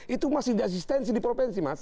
itu masih di asistensi di provinsi mas